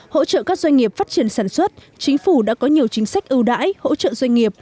hỗ trợ các doanh nghiệp phát triển sản xuất chính phủ đã có nhiều chính sách ưu đãi hỗ trợ doanh nghiệp